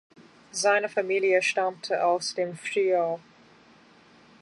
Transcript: Seine Familie stammte aus dem Friaul.